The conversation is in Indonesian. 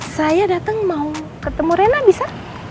saya datang mau ketemu rena bisa